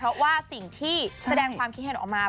เพราะว่าสิ่งที่แสดงความคิดเห็นออกมา